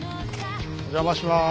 お邪魔します。